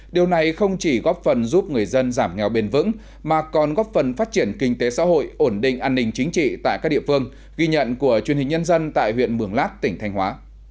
điều này không chỉ góp phần giúp người dân giảm nghèo bền vững mà còn góp phần phát triển kinh tế xã hội ổn định an ninh chính trị tại các địa phương ghi nhận của truyền hình nhân dân tại huyện mường lát tỉnh thanh hóa